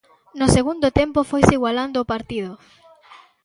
No segundo tempo foise igualando o partido.